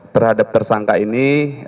terhadap tersangka ini